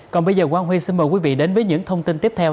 còn bây giờ quang huy xin mời quý vị đến với những thông tin tiếp theo